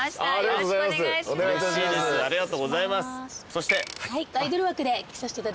そして。